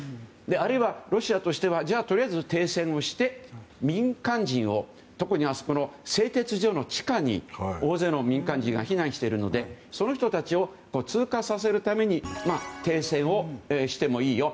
あるいはロシアとしてはとりあえず停戦をして民間人を、特に製鉄所の地下に大勢の民間人が避難しているのでその人たちを通過させるために停戦してもいいよ